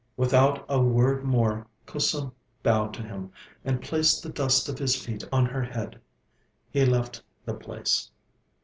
Without a word more Kusum bowed to him, and placed the dust of his feet on her head. He left the place.